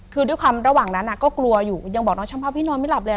คือด้วยความระหว่างนั้นก็กลัวอยู่ยังบอกน้องช่างภาพพี่นอนไม่หลับเลย